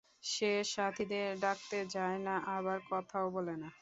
সে সাথিদের ডাকতে যায় না আবার কথাও বলে না।